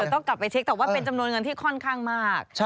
ต้องกลับไปเช็คแต่ว่าเป็นจำนวนเงินที่ค่อนข้างมาก